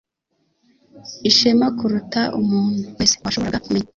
ishema kuruta umuntu wese washoboraga kumenya,